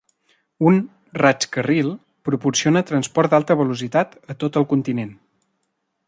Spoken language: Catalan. Un "raig-carril" proporciona transport d'alta velocitat a tot el continent.